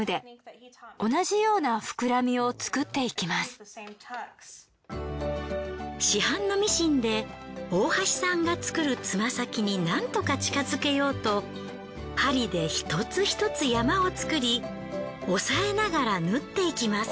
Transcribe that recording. ここからはいよいよ市販のミシンで大橋さんが作るつま先になんとか近づけようと針で一つひとつ山を作り押さえながら縫っていきます。